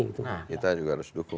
kita juga harus dukung